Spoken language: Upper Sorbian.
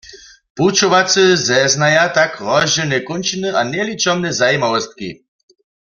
Pućowacy zeznaja tak rozdźělne kónčiny a njeličomne zajimawostki.